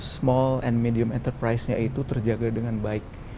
small and medium enterprise nya itu terjaga dengan baik